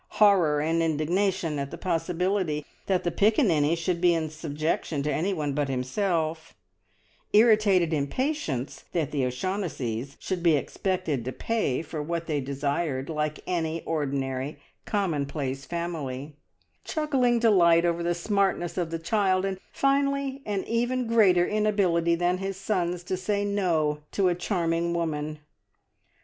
Horror and indignation at the possibility that the Piccaninny should be in subjection to anyone but himself; irritated impatience that the O'Shaughnessys should be expected to pay for what they desired, like any ordinary, commonplace family; chuckling delight over the smartness of the child; and finally an even greater inability than his sons to say "No" to a charming woman!